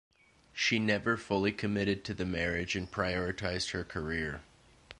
She never fully committed to the marriage and prioritized her career.